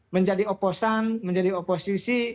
menjadi oposan menjadi oposisi